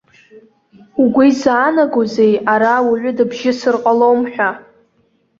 Угәы изаанагозеи ара ауаҩы дыбжьысыр ҟалом ҳәа?